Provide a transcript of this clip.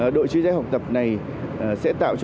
đội chứa cháy học tập này sẽ tạo cho